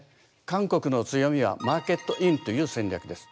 韓国の強みはマーケットインという戦略です。